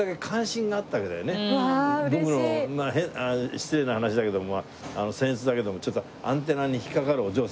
失礼な話だけども僭越だけどもちょっとアンテナに引っかかるお嬢さんだった。